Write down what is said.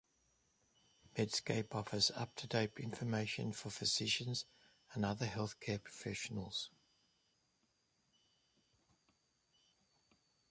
Medscape offers up-to-date information for physicians and other healthcare professionals.